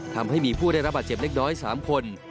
ทำให้มีผู้ได้รับบาดเจ็บเล็กน้อย๓คน